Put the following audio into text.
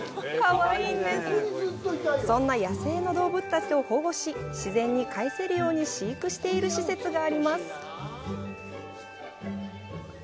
そんな野生の動物たちを保護し自然に帰せるように飼育している施設があります。